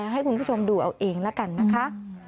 ให้คุณผู้ชมดูเอาเองละกันนะคะ